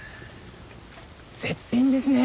絶品ですね。